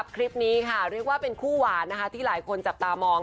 คลิปนี้คือคู่หวานที่หลายคนจับตามอง